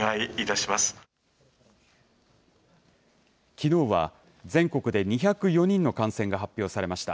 きのうは、全国で２０４人の感染が発表されました。